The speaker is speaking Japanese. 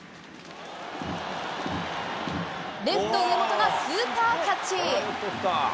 レフト上本がスーパーキャッチ！